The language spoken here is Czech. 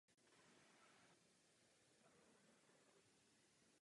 Výměnou za svobodu přistoupil na nabídku spolupráce s Němci.